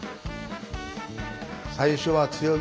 最初は強火。